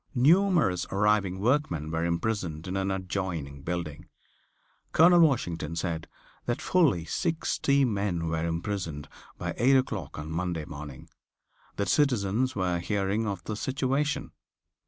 Numerous arriving workmen were imprisoned in an adjoining building. Colonel Washington said that fully sixty men were imprisoned by eight o'clock on Monday morning. The citizens were hearing of the situation.